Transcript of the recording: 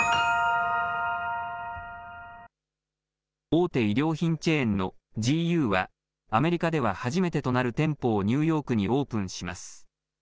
大手衣料品チェーンのジーユーは、アメリカでは初めてとなる店舗をニューヨークにオープンします。